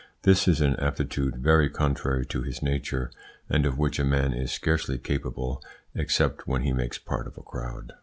This is an aptitude very contrary to his nature, and of which a man is scarcely capable, except when he makes part of a crowd.